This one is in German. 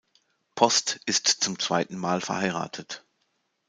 Post ist zum zweiten Mal verheiratet.